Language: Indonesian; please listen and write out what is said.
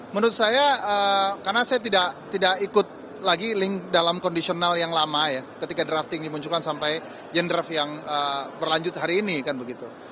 menurut saya karena saya tidak ikut lagi dalam kondisional yang lama ya ketika drafting dimunculkan sampai yen draft yang berlanjut hari ini kan begitu